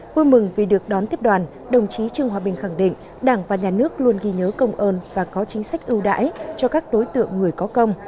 vui mừng vì được đón tiếp đoàn đồng chí trương hòa bình khẳng định đảng và nhà nước luôn ghi nhớ công ơn và có chính sách ưu đãi cho các đối tượng người có công